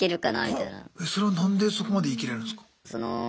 それは何でそこまで言い切れるんすか？